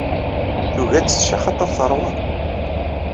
Tugi ad tečč axaṭer terwa.